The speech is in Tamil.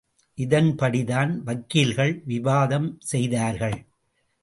இதன்படிதான் வக்கீல்கள் விவாதம் செய்தார்கள்.